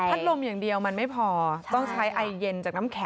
ลมอย่างเดียวมันไม่พอต้องใช้ไอเย็นจากน้ำแข